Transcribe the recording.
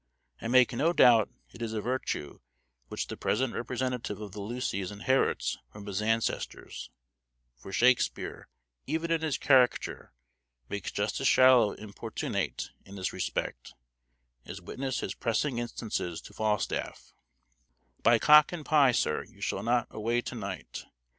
I make no doubt it is a virtue which the present representative of the Lucys inherits from his ancestors; for Shakespeare, even in his caricature, makes Justice Shallow importunate in this respect, as witness his pressing instances to Falstaff: "By cock and pye, Sir, you shall not away to night.....